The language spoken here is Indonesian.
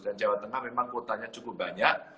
dan jawa tengah memang kuotanya cukup banyak